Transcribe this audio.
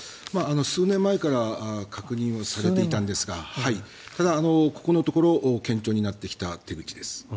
数年前から確認はされていたんですがただ、ここのところ顕著になってきた手口です。